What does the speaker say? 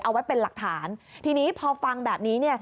เอาไว้เป็นหลักฐานทีนี้พอฟังแบบนี้เนี่ย